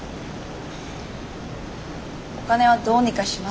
お金はどうにかしますから。